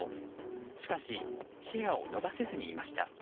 しかしシェアを伸ばせずにいました。